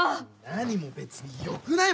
何も別によくない？